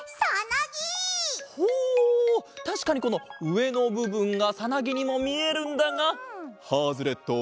たしかにこのうえのぶぶんがさなぎにもみえるんだがハズレット！